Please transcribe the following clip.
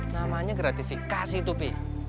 namanya gratifikasi tuh pi